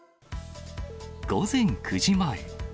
午前９時前。